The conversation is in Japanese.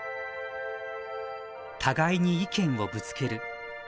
互いに意見をぶつける。